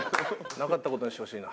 なかった事にしてほしいな。